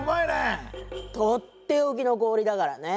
取って置きの氷だからね。